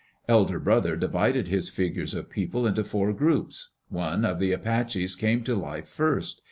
Elder Brother divided his figures of people into four groups. One of the Apaches came to life first.